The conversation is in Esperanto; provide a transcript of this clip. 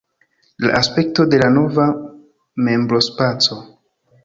La aspekto de la nova membrospaco.